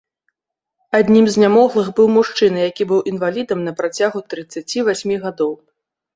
Аднім з нямоглых быў мужчына, які быў інвалідам на працягу трыццаці васьмі гадоў.